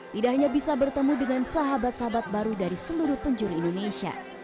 tidak hanya bisa bertemu dengan sahabat sahabat baru dari seluruh penjuru indonesia